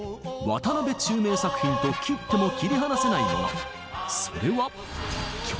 渡辺宙明作品と切っても切り離せないもの。